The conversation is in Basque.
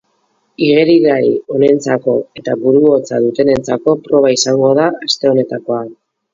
Igerilari onentzako eta buru hotza dutenentzako proba izango da aste honetakoa.